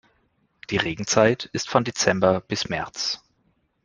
Die Regenzeit ist von Dezember bis März.